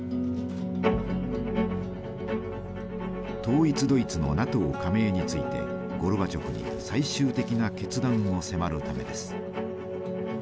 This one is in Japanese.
統一ドイツのＮＡＴＯ加盟についてゴルバチョフに最終的な決断を迫るためです。